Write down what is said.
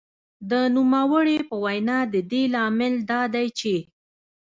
د نوموړې په وینا د دې لامل دا دی چې